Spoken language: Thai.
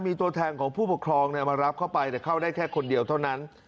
มีตัวแทนของผู้ปกครองมารับเข้าไปแต่เข้าได้แค่คนเดียวเท่านั้น